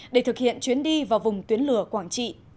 để thực hiện chuyến đi vào vùng tuyến lửa quảng trị